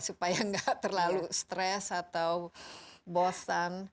supaya nggak terlalu stres atau bosan